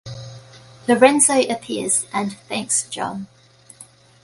Lorenzo appears and thanks John.